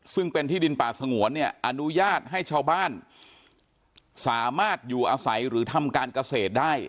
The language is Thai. ซึ่งเป็นที่ดินป่าสงวนเนี่ยอนุญาตให้ชาวบ้านสามารถอยู่อาศัยหรือทำการเกษตรได้